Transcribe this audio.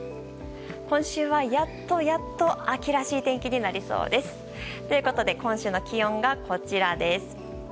今週はやっとやっと秋らしい天気になりそうです。ということで今週の気温がこちらです。